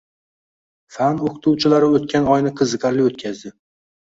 Fan o‘qituvchilari o‘tgan oyni qiziqarli o‘tkazdi.